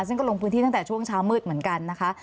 ซึ่งก็ลงพื้นที่ตั้งแต่ช่วงเช้ามืดเหมือนกันนะคะ